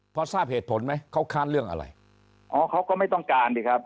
พอทราบเหตุผลไหมเขาค้านเรื่องอะไรอ๋อเขาก็ไม่ต้องการสิครับ